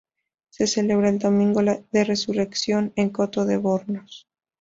Se celebra el Domingo de Resurrección en Coto de Bornos.